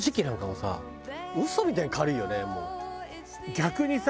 逆にさ。